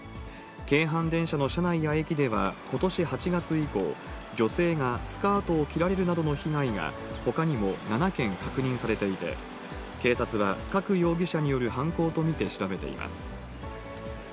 京阪電車の車内や駅ではことし８月以降、女性がスカートを切られるなどの被害がほかにも７件確認されていて、警察は、加久容疑者による犯行と見て調べています。